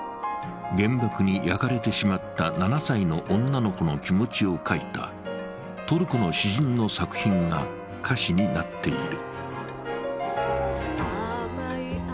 原爆に焼かれてしまった７歳の女の子の気持ちを書いたトルコの詩人の作品が歌詞になっている。